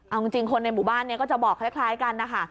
เอาจริงคนในหมู่บ้านนี้ก็จะบอกคล้ายกันนะคะ